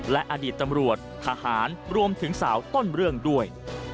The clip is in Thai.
และอดีตตำรวจทหารรวมถึงสาวต้นเรื่องด้วย